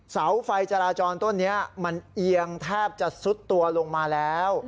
เสาไฟจราจรต้นนี้มันเอียงแทบจะซุดตัวลงมาแล้ว